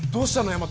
大和。